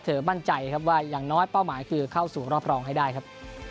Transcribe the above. มั่นใจครับว่าอย่างน้อยเป้าหมายคือเข้าสู่รอบรองให้ได้ครับ